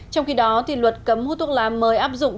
trong khi đó luật cấm hút thuốc lá mới áp dụng